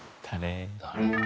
誰？